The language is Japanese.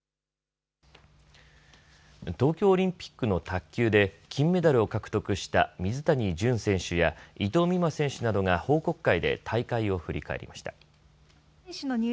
東京オリンピックの卓球で金メダルを獲得した水谷隼選手や伊藤美誠選手などが報告会で大会を振り返りました。